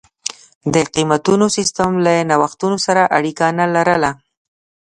د قېمتونو سیستم له نوښتونو سره اړیکه نه لرله.